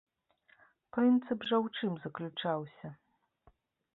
Прынцып жа ў чым заключаўся?